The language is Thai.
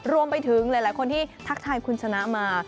รวมไปถึงหลายคนที่ทักทายคุณชนะมา